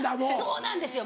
そうなんですよ！